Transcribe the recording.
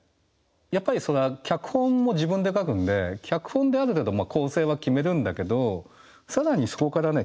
やっぱりそれは脚本も自分で書くんで脚本である程度構成は決めるんだけど更にそこからね